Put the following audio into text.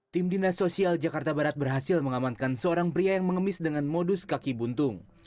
tim dinas sosial jakarta barat berhasil mengamankan seorang pria yang mengemis dengan modus kaki buntung